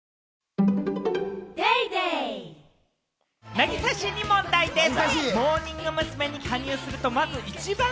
凪咲氏に問題です。